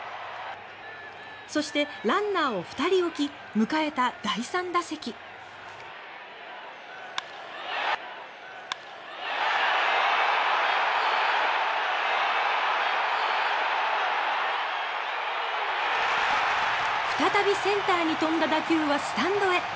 そしてランナーを２人おき迎えた第３打席再びセンターに飛んだ打球はスタンドへ！